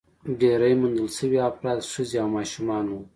ډېری موندل شوي افراد ښځې او ماشومان وو.